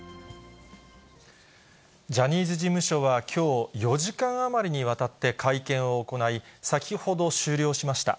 ジャニーズ事務所はきょう、４時間余りにわたって会見を行い、先ほど終了しました。